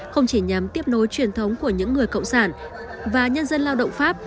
không chỉ nhằm tiếp nối truyền thống của những người cộng sản và nhân dân lao động pháp